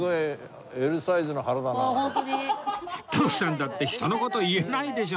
徳さんだって人の事言えないでしょ？